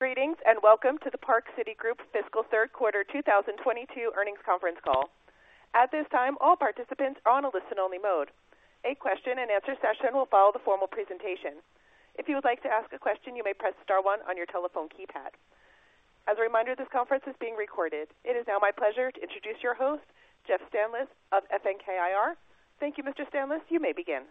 Greetings, welcome to the Park City Group fiscal third quarter 2022 earnings conference call. At this time, all participants are on a listen only mode. A question-and-answer session will follow the formal presentation. If you would like to ask a question, you may press star one on your telephone keypad. As a reminder, this conference is being recorded. It is now my pleasure to introduce your host, Jeff Stanlis of FNK IR. Thank you, Mr. Stanlis. You may begin.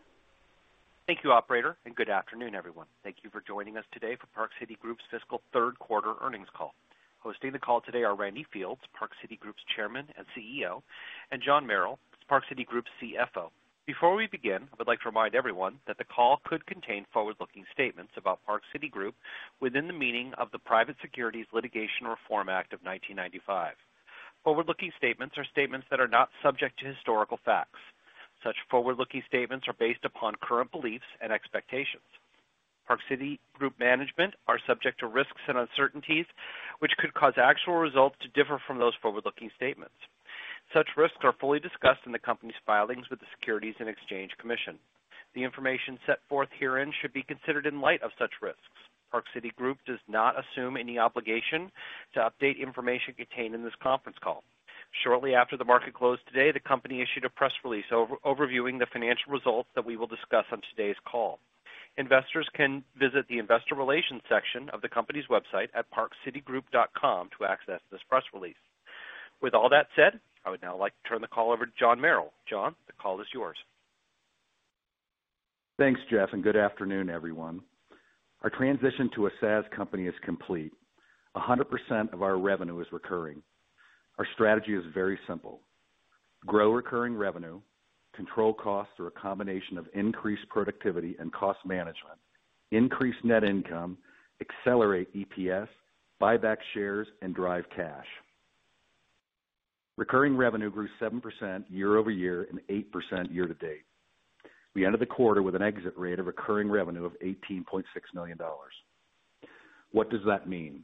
Thank you, operator, and good afternoon, everyone. Thank you for joining us today for Park City Group's fiscal third quarter earnings call. Hosting the call today are Randy Fields, Park City Group's Chairman and CEO, and John Merrill, Park City Group's CFO. Before we begin, I would like to remind everyone that the call could contain forward-looking statements about Park City Group within the meaning of the Private Securities Litigation Reform Act of 1995. Forward-looking statements are statements that are not subject to historical facts. Such forward-looking statements are based upon current beliefs and expectations. Park City Group management are subject to risks and uncertainties which could cause actual results to differ from those forward-looking statements. Such risks are fully discussed in the company's filings with the Securities and Exchange Commission. The information set forth herein should be considered in light of such risks. Park City Group does not assume any obligation to update information contained in this conference call. Shortly after the market closed today, the company issued a press release overviewing the financial results that we will discuss on today's call. Investors can visit the investor relations section of the company's website at parkcitygroup.com to access this press release. With all that said, I would now like to turn the call over to John Merrill. John, the call is yours. Thanks, Jeff, and good afternoon, everyone. Our transition to a SaaS company is complete. 100% of our revenue is recurring. Our strategy is very simple. Grow recurring revenue, control costs through a combination of increased productivity and cost management, increase net income, accelerate EPS, buy back shares, and drive cash. Recurring revenue grew 7% year-over-year and 8% year to date. We ended the quarter with an exit rate of recurring revenue of $18.6 million. What does that mean?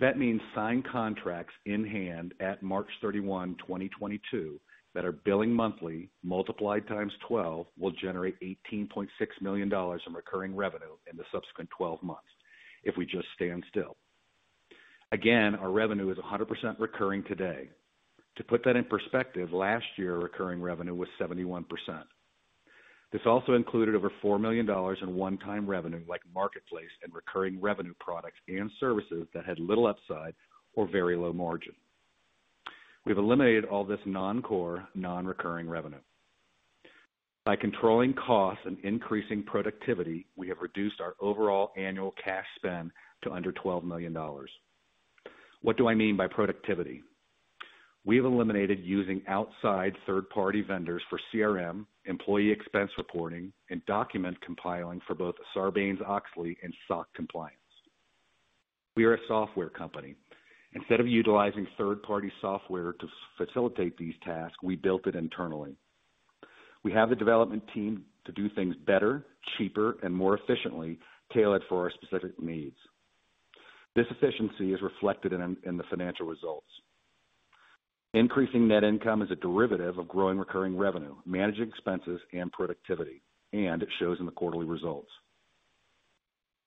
That means signed contracts in hand at March 31, 2022 that are billing monthly multiplied times 12 will generate $18.6 million in recurring revenue in the subsequent 12 months if we just stand still. Again, our revenue is 100% recurring today. To put that in perspective, last year, recurring revenue was 71%. This also included over $4 million in one-time revenue like Marketplace and recurring revenue products and services that had little upside or very low margin. We've eliminated all this non-core, non-recurring revenue. By controlling costs and increasing productivity, we have reduced our overall annual cash spend to under $12 million. What do I mean by productivity? We've eliminated using outside third-party vendors for CRM, employee expense reporting, and document compiling for both Sarbanes-Oxley and SOC compliance. We are a software company. Instead of utilizing third-party software to facilitate these tasks, we built it internally. We have the development team to do things better, cheaper, and more efficiently tailored for our specific needs. This efficiency is reflected in the financial results. Increasing net income is a derivative of growing recurring revenue, managing expenses and productivity, and it shows in the quarterly results.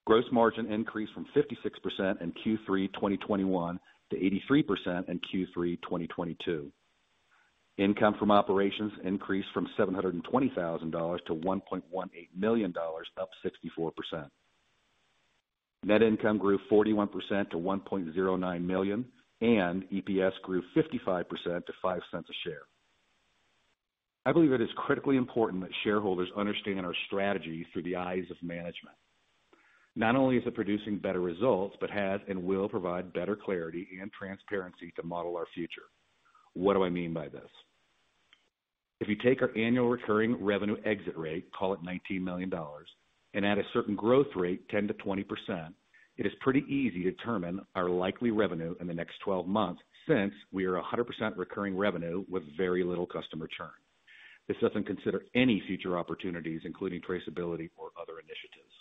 Gross margin increased from 56% in Q3 2021 to 83% in Q3 2022. Income from operations increased from $720,000 to $1.18 million, up 64%. Net income grew 41% to $1.09 million, and EPS grew 55% to $0.05 a share. I believe it is critically important that shareholders understand our strategy through the eyes of management. Not only is it producing better results, but has and will provide better clarity and transparency to model our future. What do I mean by this? If you take our annual recurring revenue exit rate, call it $19 million, and at a certain growth rate, 10%-20%, it is pretty easy to determine our likely revenue in the next twelve months since we are 100% recurring revenue with very little customer churn. This doesn't consider any future opportunities, including traceability or other initiatives.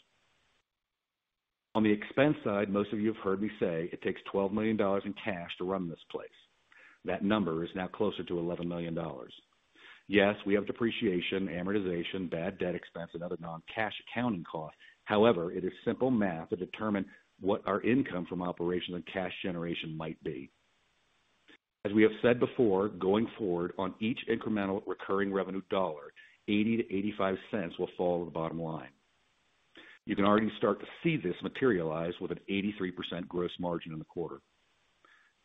On the expense side, most of you have heard me say it takes $12 million in cash to run this place. That number is now closer to $11 million. Yes, we have depreciation, amortization, bad debt expense, and other non-cash accounting costs. However, it is simple math to determine what our income from operations and cash generation might be. As we have said before, going forward on each incremental recurring revenue dollar, $0.80-$0.85 will fall to the bottom line. You can already start to see this materialize with an 83% gross margin in the quarter.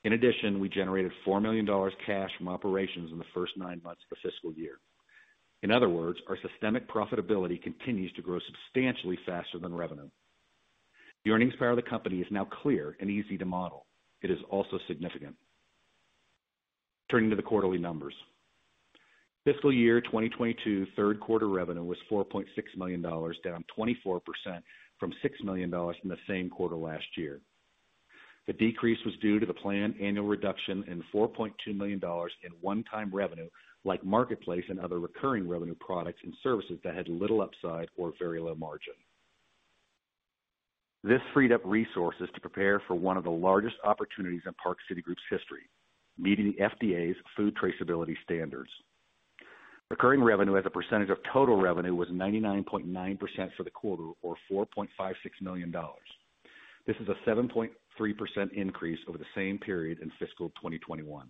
In addition, we generated $4 million cash from operations in the first 9 months of the fiscal year. In other words, our systemic profitability continues to grow substantially faster than revenue. The earnings power of the company is now clear and easy to model. It is also significant. Turning to the quarterly numbers. Fiscal year 2022 third quarter revenue was $4.6 million, down 24% from $6 million in the same quarter last year. The decrease was due to the planned annual reduction in $4.2 million in one-time revenue like Marketplace and other non-recurring revenue products and services that had little upside or very low margin. This freed up resources to prepare for one of the largest opportunities in Park City Group's history, meeting the FDA's food traceability standards. Recurring revenue as a percentage of total revenue was 99.9% for the quarter, or $4.56 million. This is a 7.3% increase over the same period in fiscal 2021.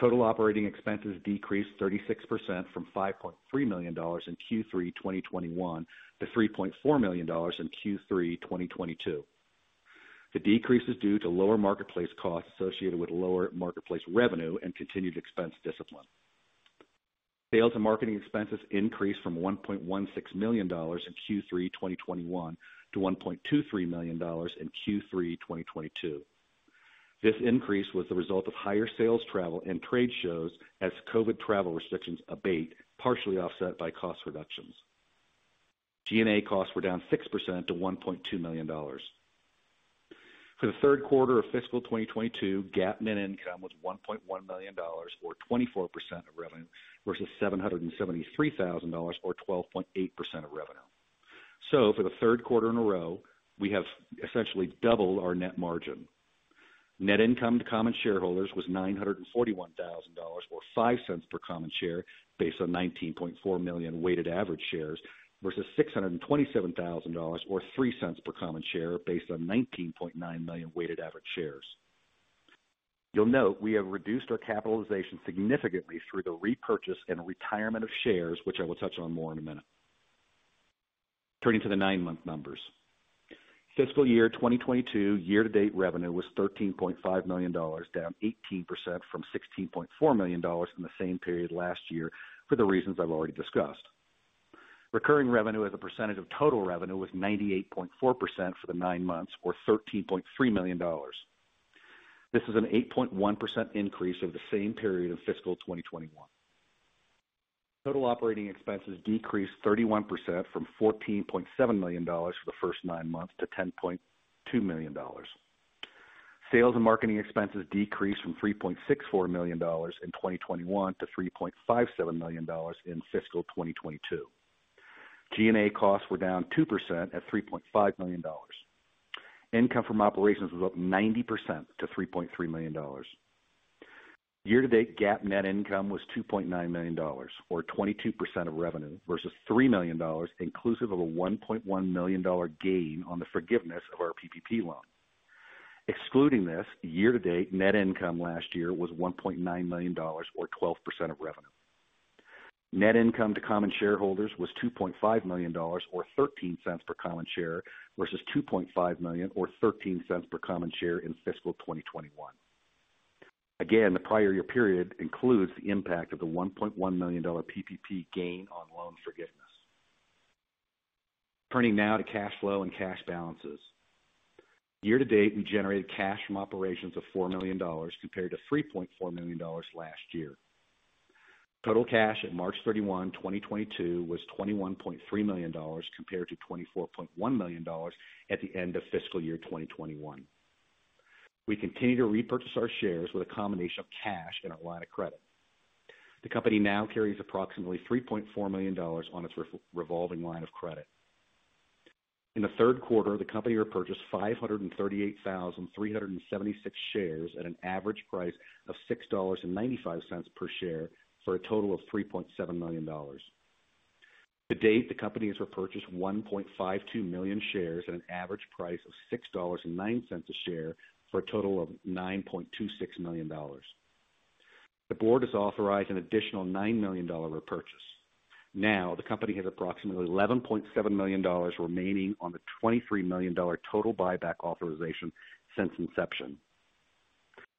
Total operating expenses decreased 36% from $5.3 million in Q3 2021 to $3.4 million in Q3 2022. The decrease is due to lower Marketplace costs associated with lower Marketplace revenue and continued expense discipline. Sales and marketing expenses increased from $1.16 million in Q3 2021 to $1.23 million in Q3 2022. This increase was the result of higher sales travel and trade shows as COVID travel restrictions abate, partially offset by cost reductions. G&A costs were down 6% to $1.2 million. For the third quarter of fiscal 2022, GAAP net income was $1.1 million, or 24% of revenue, versus $773,000, or 12.8% of revenue. For the third quarter in a row, we have essentially doubled our net margin. Net income to common shareholders was $941,000, or $0.05 per common share, based on 19.4 million weighted average shares, versus $627,000, or $0.03 per common share, based on 19.9 million weighted average shares. You'll note we have reduced our capitalization significantly through the repurchase and retirement of shares, which I will touch on more in a minute. Turning to the nine-month numbers. Fiscal year 2022 year-to-date revenue was $13.5 million, down 18% from $16.4 million in the same period last year for the reasons I've already discussed. Recurring revenue as a percentage of total revenue was 98.4% for the nine months, or $13.3 million. This is an 8.1% increase over the same period of fiscal 2021. Total operating expenses decreased 31% from $14.7 million for the first nine months to $10.2 million. Sales and marketing expenses decreased from $3.64 million in 2021 to $3.57 million in fiscal 2022. G&A costs were down 2% at $3.5 million. Income from operations was up 90% to $3.3 million. Year-to-date GAAP net income was $2.9 million, or 22% of revenue, versus $3 million inclusive of a $1.1 million gain on the forgiveness of our PPP loan. Excluding this, year-to-date net income last year was $1.9 million, or 12% of revenue. Net income to common shareholders was $2.5 million or $0.13 per common share, versus $2.5 million or $0.13 per common share in fiscal 2021. Again, the prior year period includes the impact of the $1.1 million PPP gain on loan forgiveness. Turning now to cash flow and cash balances. Year to date, we generated cash from operations of $4 million compared to $3.4 million last year. Total cash at March 31, 2022 was $21.3 million compared to $24.1 million at the end of fiscal year 2021. We continue to repurchase our shares with a combination of cash and our line of credit. The company now carries approximately $3.4 million on its revolving line of credit. In the third quarter, the company repurchased 538,376 shares at an average price of $6.95 per share, for a total of $3.7 million. To date, the company has repurchased 1.52 million shares at an average price of $6.09 a share, for a total of $9.26 million. The board has authorized an additional $9 million repurchase. Now, the company has approximately $11.7 million remaining on the $23 million total buyback authorization since inception.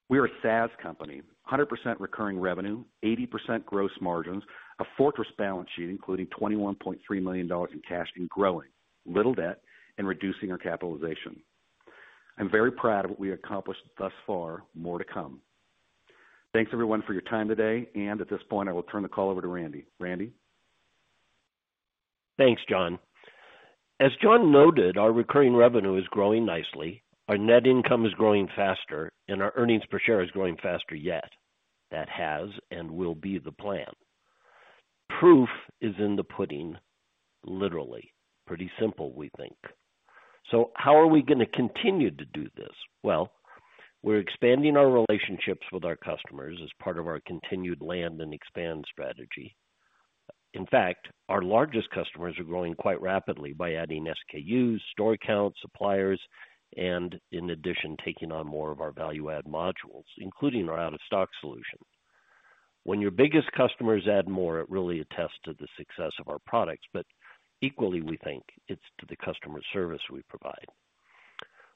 We are a SaaS company, 100% recurring revenue, 80% gross margins, a fortress balance sheet including $21.3 million in cash and growing, little debt, and reducing our capitalization. I'm very proud of what we accomplished thus far. More to come. Thanks, everyone, for your time today. At this point, I will turn the call over to Randy. Randy? Thanks, John. As John noted, our recurring revenue is growing nicely, our net income is growing faster, and our earnings per share is growing faster yet. That has and will be the plan. Proof is in the pudding, literally. Pretty simple, we think. How are we gonna continue to do this? Well, we're expanding our relationships with our customers as part of our continued land and expand strategy. In fact, our largest customers are growing quite rapidly by adding SKUs, store counts, suppliers, and in addition, taking on more of our value add modules, including our out-of-stock solution. When your biggest customers add more, it really attests to the success of our products, but equally, we think it's to the customer service we provide.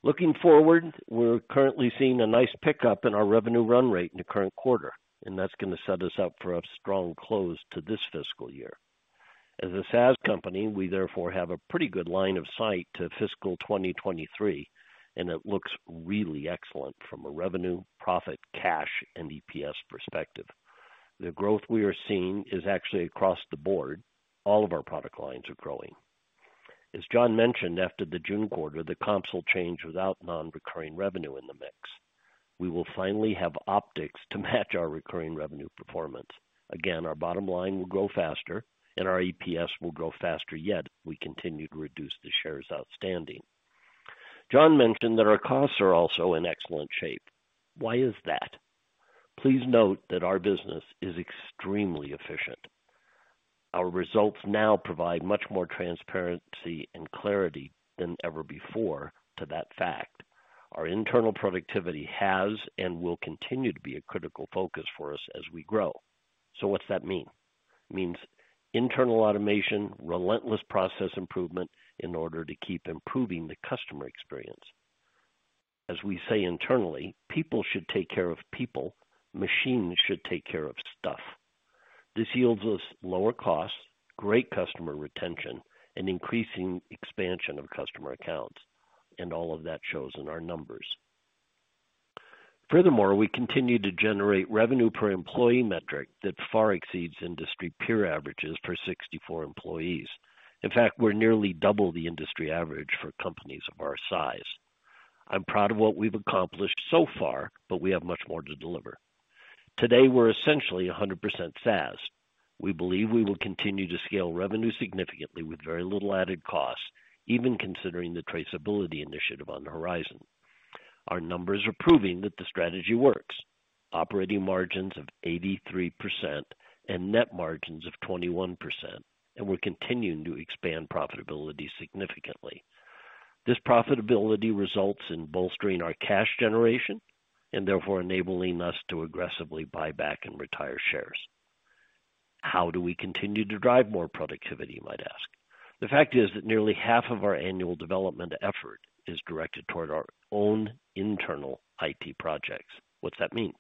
Looking forward, we're currently seeing a nice pickup in our revenue run rate in the current quarter, and that's gonna set us up for a strong close to this fiscal year. As a SaaS company, we therefore have a pretty good line of sight to fiscal 2023, and it looks really excellent from a revenue, profit, cash, and EPS perspective. The growth we are seeing is actually across the board. All of our product lines are growing. As John mentioned, after the June quarter, the comps will change without non-recurring revenue in the mix. We will finally have optics to match our recurring revenue performance. Again, our bottom line will grow faster and our EPS will grow faster, yet we continue to reduce the shares outstanding. John mentioned that our costs are also in excellent shape. Why is that? Please note that our business is extremely efficient. Our results now provide much more transparency and clarity than ever before to that fact. Our internal productivity has and will continue to be a critical focus for us as we grow. What's that mean? It means internal automation, relentless process improvement in order to keep improving the customer experience. As we say internally, people should take care of people, machines should take care of stuff. This yields us lower costs, great customer retention, and increasing expansion of customer accounts, and all of that shows in our numbers. Furthermore, we continue to generate revenue per employee metric that far exceeds industry peer averages per 64 employees. In fact, we're nearly double the industry average for companies of our size. I'm proud of what we've accomplished so far, but we have much more to deliver. Today, we're essentially 100% SaaS. We believe we will continue to scale revenue significantly with very little added cost, even considering the traceability initiative on the horizon. Our numbers are proving that the strategy works. Operating margins of 83% and net margins of 21%, and we're continuing to expand profitability significantly. This profitability results in bolstering our cash generation and therefore enabling us to aggressively buy back and retire shares. How do we continue to drive more productivity, you might ask? The fact is that nearly half of our annual development effort is directed toward our own internal IT projects. What's that mean?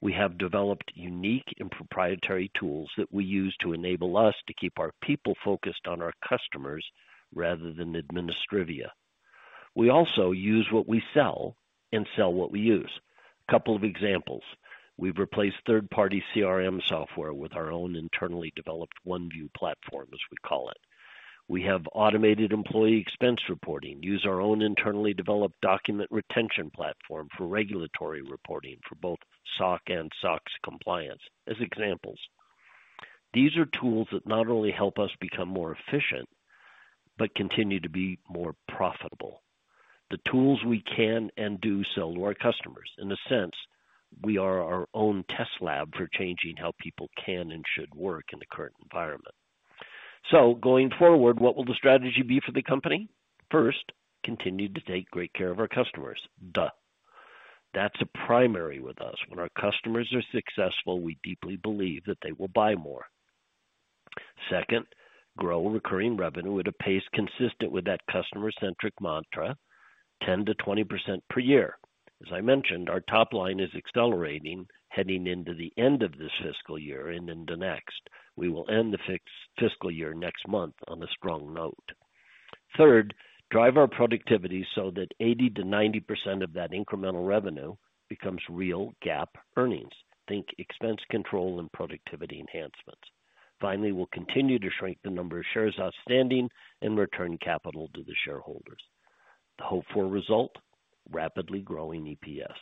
We have developed unique and proprietary tools that we use to enable us to keep our people focused on our customers rather than administrivia. We also use what we sell and sell what we use. Couple of examples. We've replaced third-party CRM software with our own internally developed OneView platform, as we call it. We have automated employee expense reporting, use our own internally developed document retention platform for regulatory reporting for both SOC and SOX compliance, as examples. These are tools that not only help us become more efficient, but continue to be more profitable. The tools we can and do sell to our customers. In a sense, we are our own test lab for changing how people can and should work in the current environment. Going forward, what will the strategy be for the company? First, continue to take great care of our customers. Duh. That's a primary with us. When our customers are successful, we deeply believe that they will buy more. Second, grow recurring revenue at a pace consistent with that customer-centric mantra, 10%-20% per year. As I mentioned, our top line is accelerating heading into the end of this fiscal year and into next. We will end the fiscal year next month on a strong note. Third, drive our productivity so that 80%-90% of that incremental revenue becomes real GAAP earnings. Think expense control and productivity enhancements. Finally, we'll continue to shrink the number of shares outstanding and return capital to the shareholders. The hoped-for result, rapidly growing EPS.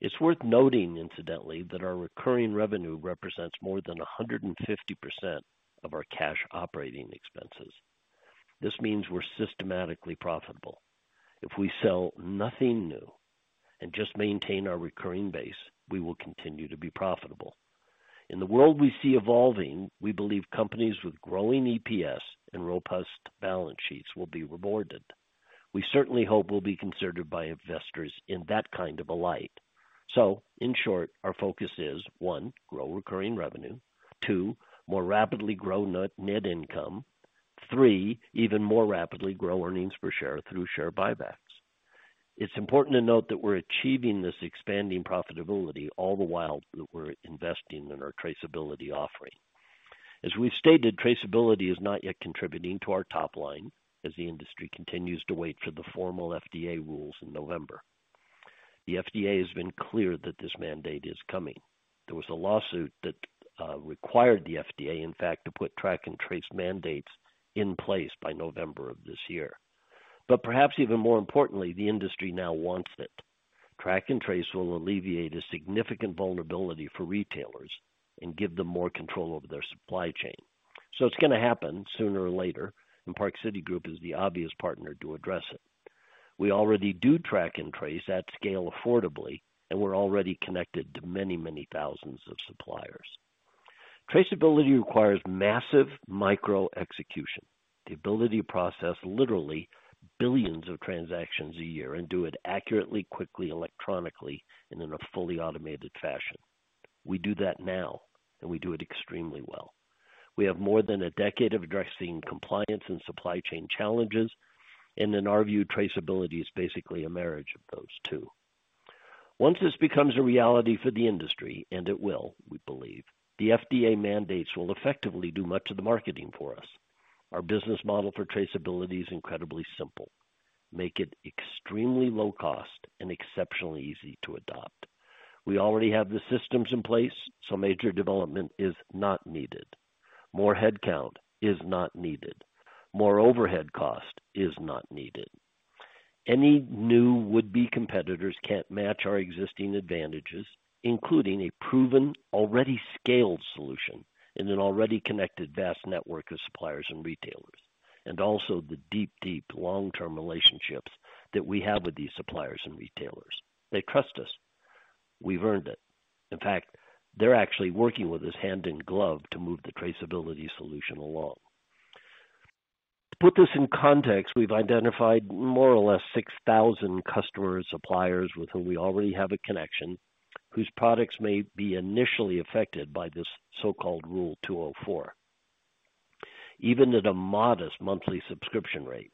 It's worth noting, incidentally, that our recurring revenue represents more than 150% of our cash operating expenses. This means we're systematically profitable. If we sell nothing new and just maintain our recurring base, we will continue to be profitable. In the world we see evolving, we believe companies with growing EPS and robust balance sheets will be rewarded. We certainly hope we'll be considered by investors in that kind of a light. In short, our focus is, 1, grow recurring revenue. 2, more rapidly grow net income. 3, even more rapidly grow earnings per share through share buybacks. It's important to note that we're achieving this expanding profitability all the while that we're investing in our traceability offering. As we've stated, traceability is not yet contributing to our top line as the industry continues to wait for the formal FDA rules in November. The FDA has been clear that this mandate is coming. There was a lawsuit that required the FDA, in fact, to put track and trace mandates in place by November of this year. Perhaps even more importantly, the industry now wants it. Track and trace will alleviate a significant vulnerability for retailers and give them more control over their supply chain. It's gonna happen sooner or later, and Park City Group is the obvious partner to address it. We already do track and trace at scale affordably, and we're already connected to many, many thousands of suppliers. Traceability requires massive micro execution, the ability to process literally billions of transactions a year and do it accurately, quickly, electronically, and in a fully automated fashion. We do that now, and we do it extremely well. We have more than a decade of addressing compliance and supply chain challenges. In our view, traceability is basically a marriage of those two. Once this becomes a reality for the industry, and it will, we believe, the FDA mandates will effectively do much of the marketing for us. Our business model for traceability is incredibly simple. Make it extremely low cost and exceptionally easy to adopt. We already have the systems in place, so major development is not needed. More headcount is not needed. More overhead cost is not needed. Any new would-be competitors can't match our existing advantages, including a proven, already scaled solution and an already connected, vast network of suppliers and retailers, and also the deep, deep long-term relationships that we have with these suppliers and retailers. They trust us. We've earned it. In fact, they're actually working with us hand in glove to move the traceability solution along. To put this in context, we've identified more or less 6,000 customers, suppliers with whom we already have a connection, whose products may be initially affected by this so-called Rule 204. Even at a modest monthly subscription rate,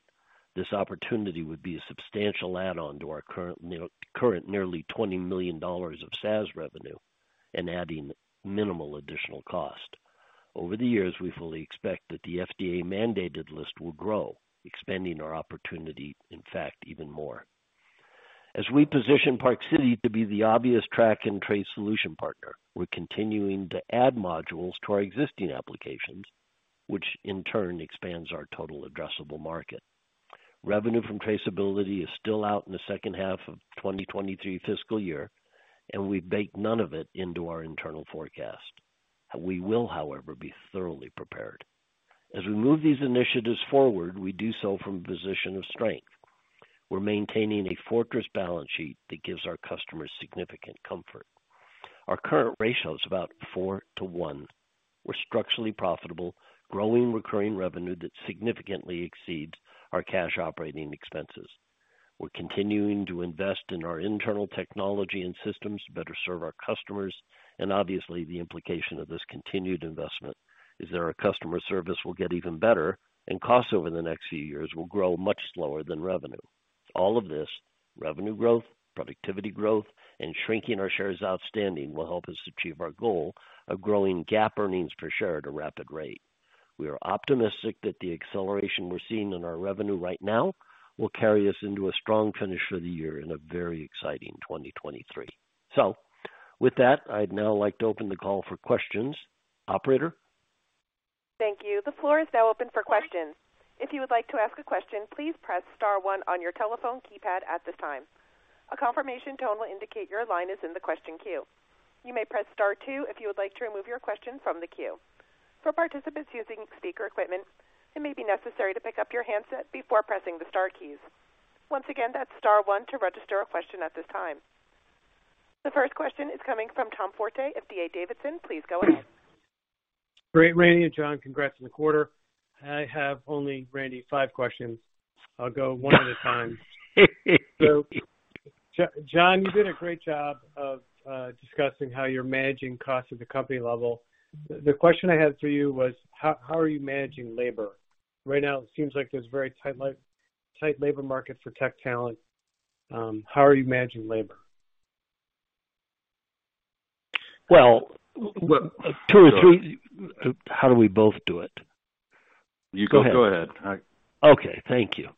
this opportunity would be a substantial add-on to our current nearly $20 million of SaaS revenue and adding minimal additional cost. Over the years, we fully expect that the FDA-mandated list will grow, expanding our opportunity, in fact, even more. As we position Park City to be the obvious track-and-trace solution partner, we're continuing to add modules to our existing applications, which in turn expands our total addressable market. Revenue from traceability is still out in the second half of 2023 fiscal year, and we baked none of it into our internal forecast. We will, however, be thoroughly prepared. As we move these initiatives forward, we do so from a position of strength. We're maintaining a fortress balance sheet that gives our customers significant comfort. Our current ratio is about 4 to 1. We're structurally profitable, growing recurring revenue that significantly exceeds our cash operating expenses. We're continuing to invest in our internal technology and systems to better serve our customers, and obviously the implication of this continued investment is that our customer service will get even better and costs over the next few years will grow much slower than revenue. All of this, revenue growth, productivity growth, and shrinking our shares outstanding, will help us achieve our goal of growing GAAP earnings per share at a rapid rate. We are optimistic that the acceleration we're seeing in our revenue right now will carry us into a strong finish for the year in a very exciting 2023. With that, I'd now like to open the call for questions. Operator? Thank you. The floor is now open for questions. If you would like to ask a question, please press star one on your telephone keypad at this time. A confirmation tone will indicate your line is in the question queue. You may press star two if you would like to remove your question from the queue. For participants using speaker equipment, it may be necessary to pick up your handset before pressing the star keys. Once again, that's star one to register a question at this time. The first question is coming from Tom Forte of D.A. Davidson & Co. Please go ahead. Great, Randy and John. Congrats on the quarter. I have only, Randy, five questions. I'll go one at a time. John, you did a great job of discussing how you're managing costs at the company level. The question I had for you was, how are you managing labor? Right now it seems like there's a very tight labor market for tech talent. How are you managing labor? Well, two or three. Sure. How do we both do it? You go ahead. Okay. Thank you.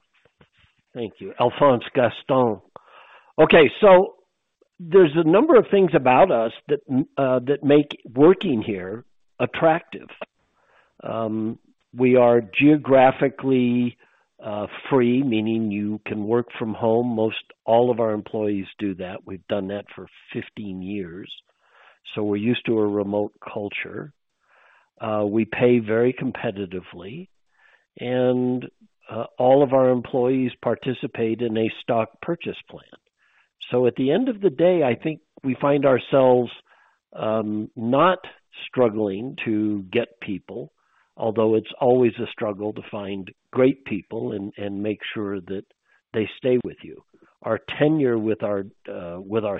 Thank you. Alphonse Gaston. Okay. There's a number of things about us that make working here attractive. We are geographically free, meaning you can work from home. Most all of our employees do that. We've done that for 15 years, so we're used to a remote culture. We pay very competitively, and all of our employees participate in a stock purchase plan. At the end of the day, I think we find ourselves not struggling to get people, although it's always a struggle to find great people and make sure that they stay with you. Our tenure with our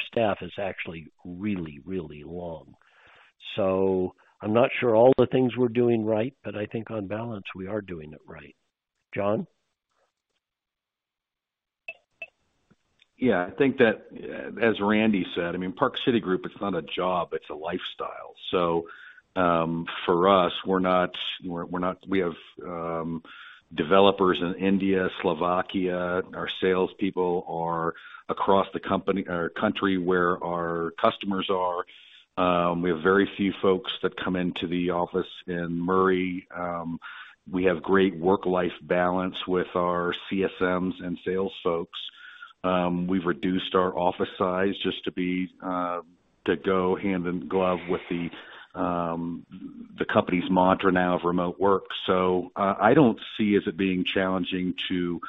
staff is actually really, really long. I'm not sure all the things we're doing right, but I think on balance, we are doing it right. John? Yeah. I think that, as Randy said, I mean, Park City Group, it's not a job, it's a lifestyle. For us, we have developers in India, Slovakia. Our sales people are across the company or country where our customers are. We have very few folks that come into the office in Murray. We have great work-life balance with our CSMs and sales folks. We've reduced our office size just to be, to go hand in glove with the company's mantra now of remote work. I don't see as it being challenging to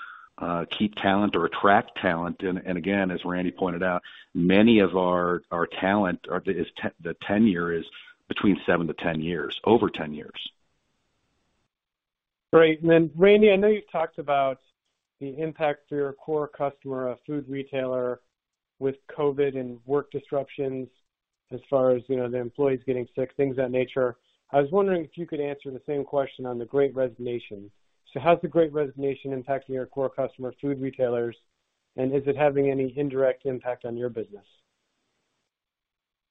keep talent or attract talent. Again, as Randy pointed out, many of our talent, the tenure is between 7-10 years, over 10 years. Great. Randy, I know you've talked about the impact to your core customer, a food retailer with COVID and work disruptions as far as, you know, the employees getting sick, things of that nature. I was wondering if you could answer the same question on the Great Resignation. How's the Great Resignation impacting your core customer, food retailers, and is it having any indirect impact on your business?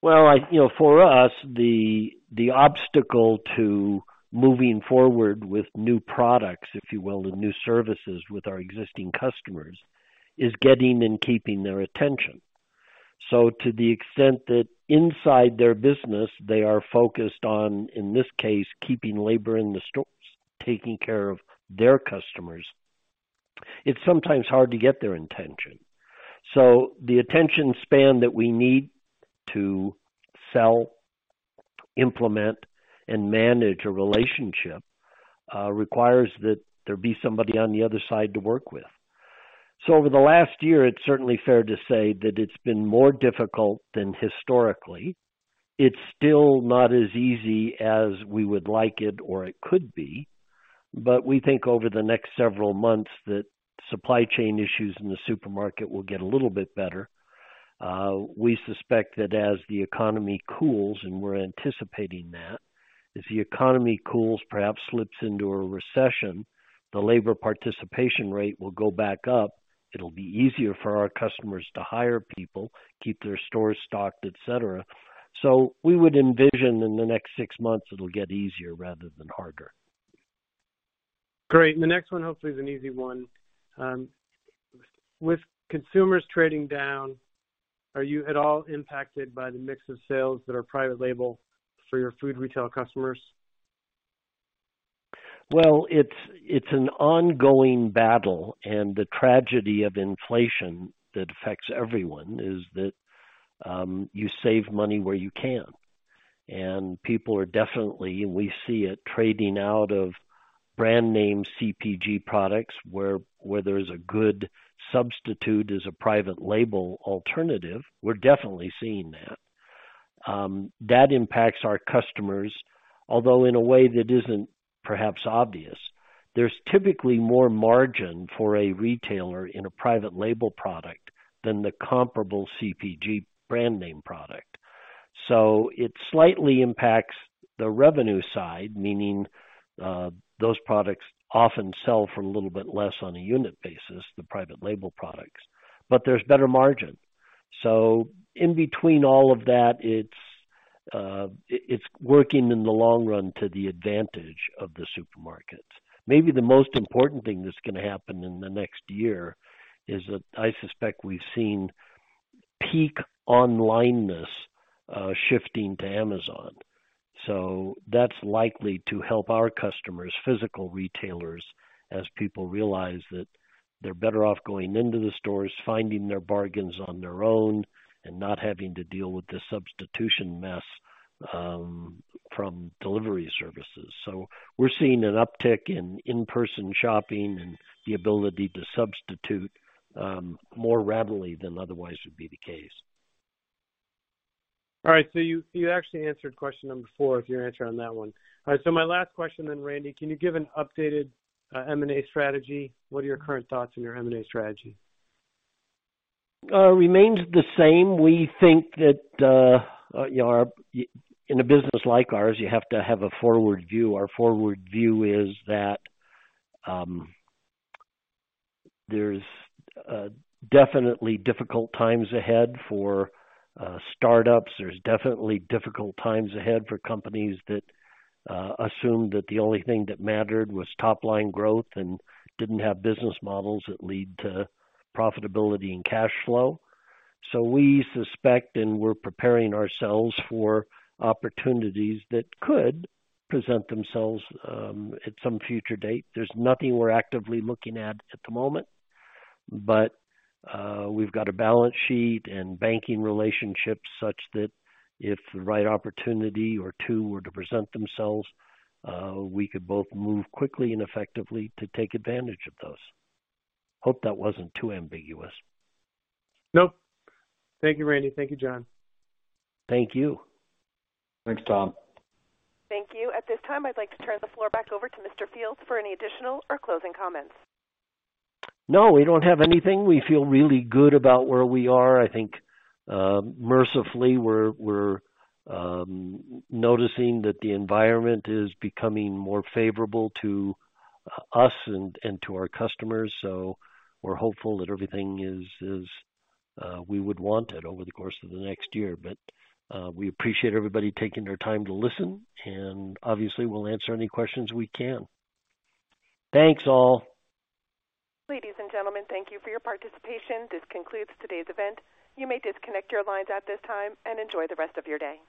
Well, you know, for us, the obstacle to moving forward with new products, if you will, and new services with our existing customers, is getting and keeping their attention. To the extent that inside their business, they are focused on, in this case, keeping labor in the stores, taking care of their customers, it's sometimes hard to get their attention. The attention span that we need to sell, implement and manage a relationship requires that there be somebody on the other side to work with. Over the last year, it's certainly fair to say that it's been more difficult than historically. It's still not as easy as we would like it or it could be, but we think over the next several months that supply chain issues in the supermarket will get a little bit better. We suspect that as the economy cools, and we're anticipating that, if the economy cools, perhaps slips into a recession, the labor participation rate will go back up. It'll be easier for our customers to hire people, keep their stores stocked, et cetera. We would envision in the next six months it'll get easier rather than harder. Great. The next one hopefully is an easy one. With consumers trading down, are you at all impacted by the mix of sales that are private label for your food retail customers? Well, it's an ongoing battle, and the tragedy of inflation that affects everyone is that you save money where you can. People are definitely, and we see it, trading out of brand name CPG products where there's a good substitute as a private label alternative. We're definitely seeing that. That impacts our customers, although in a way that isn't perhaps obvious. There's typically more margin for a retailer in a private label product than the comparable CPG brand name product. It slightly impacts the revenue side, meaning those products often sell for a little bit less on a unit basis, the private label products, but there's better margin. In between all of that, it's working in the long run to the advantage of the supermarkets. Maybe the most important thing that's gonna happen in the next year is that I suspect we've seen peak onlineness, shifting to Amazon. That's likely to help our customers, physical retailers, as people realize that they're better off going into the stores, finding their bargains on their own, and not having to deal with the substitution mess, from delivery services. We're seeing an uptick in in-person shopping and the ability to substitute, more readily than otherwise would be the case. All right. You actually answered question number 4 with your answer on that one. All right, my last question then, Randy. Can you give an updated M&A strategy? What are your current thoughts on your M&A strategy? Remains the same. We think that, you know, in a business like ours, you have to have a forward view. Our forward view is that, there's definitely difficult times ahead for startups. There's definitely difficult times ahead for companies that assume that the only thing that mattered was top-line growth and didn't have business models that lead to profitability and cash flow. We suspect, and we're preparing ourselves for opportunities that could present themselves, at some future date. There's nothing we're actively looking at at the moment, but, we've got a balance sheet and banking relationships such that if the right opportunity or two were to present themselves, we could both move quickly and effectively to take advantage of those. Hope that wasn't too ambiguous. Nope. Thank you, Randy. Thank you, John. Thank you. Thanks, Tom. Thank you. At this time, I'd like to turn the floor back over to Mr. Fields for any additional or closing comments. No, we don't have anything. We feel really good about where we are. I think, mercifully, we're noticing that the environment is becoming more favorable to us and to our customers. We're hopeful that everything is we would want it over the course of the next year. We appreciate everybody taking their time to listen, and obviously, we'll answer any questions we can. Thanks, all. Ladies and gentlemen, thank you for your participation. This concludes today's event. You may disconnect your lines at this time and enjoy the rest of your day.